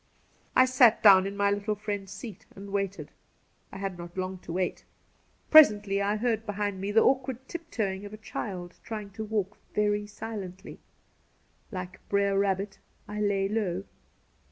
I sat down in my little friend's seat and waited. I had not long to wait. Presently I heard behind 144 Cassidy me the awkward tiptoeing of a child trying to walk very silently. Like Brer Rabbit, I lay low.